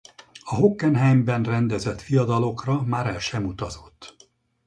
A Hockenheimben rendezett viadalokra már el sem utazott.